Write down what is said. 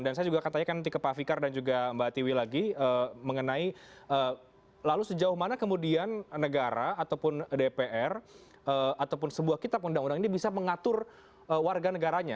dan saya juga akan tanya ke pak fikar dan juga mbak tiwi lagi mengenai lalu sejauh mana kemudian negara ataupun dpr ataupun sebuah kitab undang undang ini bisa mengatur warga negaranya